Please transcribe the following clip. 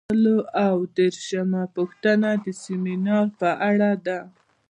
یو سل او یو دیرشمه پوښتنه د سمینار په اړه ده.